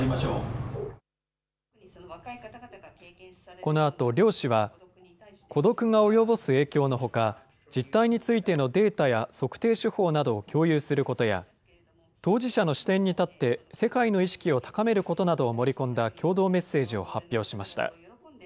このあと両氏は、孤独が及ぼす影響のほか、実態についてのデータや測定手法などを共有することや、当事者の視点に立って世界の意識を高めることなどを盛り込んだ共同メッセージを発表しました。